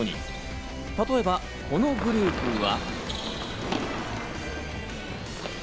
例えば、このグループは。